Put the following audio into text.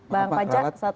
bang panca selamat malam